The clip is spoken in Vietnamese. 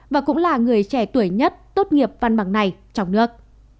và cũng là người trẻ tuổi nhất tốt nghiệp văn bằng này trong nước